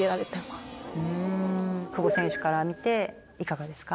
久保選手から見ていかがですか？